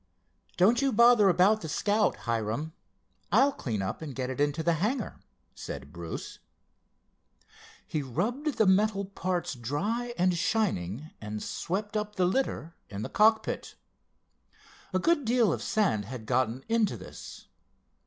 "Don't you bother about the Scout, Hiram. I'll clean up and get it into the hangar," said Bruce. He rubbed the metal parts dry and shining and swept up the litter in the cockpit. A good deal of sand had gotten into this.